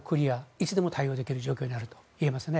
いつでも対応できる状況にあると言えますね。